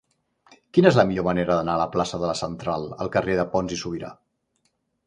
Quina és la millor manera d'anar de la plaça de la Central al carrer de Pons i Subirà?